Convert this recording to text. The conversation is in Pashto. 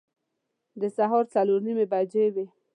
د سهار څلور نیمې بجې وې.